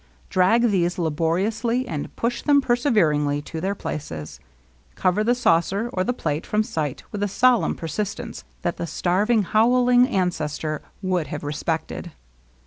Drag these laboriously, and push them perseveringly to their places ! Cover the saucer or the plate from sight with a solemn persistence that the starving, howl ing ancestor would have respected!